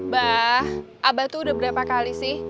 bah abah tuh udah berapa kali sih